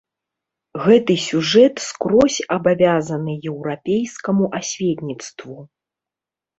Гэты сюжэт скрозь абавязаны еўрапейскаму асветніцтву.